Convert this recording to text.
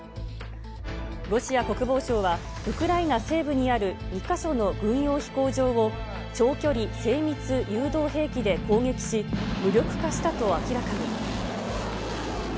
ロシア国防省は、ウクライナ西部にある２か所の軍用飛行場を、長距離精密誘導兵器で攻撃し、無力化したと明らかに。